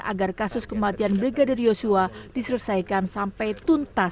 agar kasus kematian brigadir yosua diselesaikan sampai tuntas